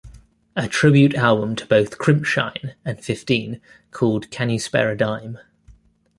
A tribute album to both Crimpshrine and Fifteen, called Can You Spare a Dime?